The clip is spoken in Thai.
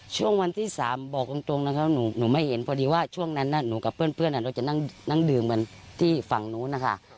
ช่วงวันที่๓บอกตรงนะคะหนูไม่เห็นพอดีว่าช่วงนั้นหนูกับเพื่อนเราจะนั่งดื่มกันที่ฝั่งนู้นนะคะ